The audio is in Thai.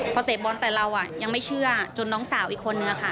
พอเตะบอลแต่เรายังไม่เชื่อจนน้องสาวอีกคนนึงค่ะ